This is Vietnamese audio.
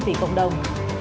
vì cộng đồng